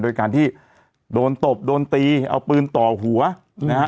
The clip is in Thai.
โดยการที่โดนตบโดนตีเอาปืนต่อหัวนะฮะ